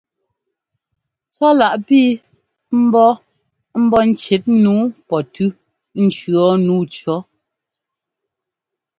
Tswálaʼ pii mbɔ́ ŋ́bɔ́ ŋ́cít nǔu pɔtʉ́ ŋ́cʉ̈ nǔu cʉ̈.